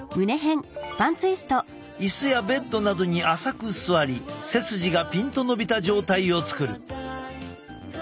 椅子やベッドなどに浅く座り背筋がピンと伸びた状態を作る。